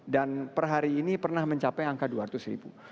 dan per hari ini pernah mencapai angka dua ratus ribu